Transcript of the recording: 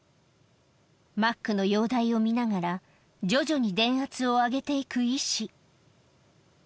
マックの容体を見ながら、徐々に電圧を上げていく医師。